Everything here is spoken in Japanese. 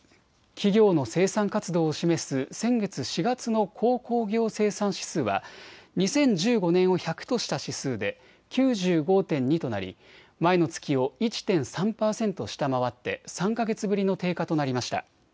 企業の生産活動を示す先月４月の鉱工業生産指数は２０１５年を１００とした指数で９５．２となり前の月を１．３％下回って３か月ぶりの低下となりました。